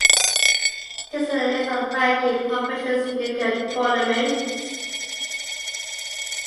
This is a list of "ranking" professional snooker tournaments.